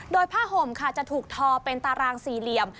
โดยผ้าห่มค่ะจะถูกทอเป็นตารางสี่เหลี่ยม